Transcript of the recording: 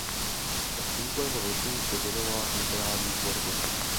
Od útlého věku se věnovala literární tvorbě.